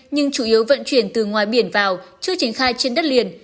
nhưng chủ yếu vận chuyển từ ngoài biển vào chưa triển khai trên đất liền